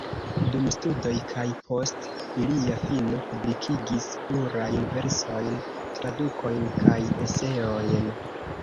Dum studoj kaj post ilia fino publikigis plurajn versojn, tradukojn kaj eseojn.